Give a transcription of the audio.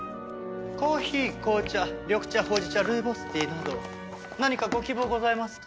コーヒー紅茶緑茶ほうじ茶ルイボスティーなど何かご希望ございますか？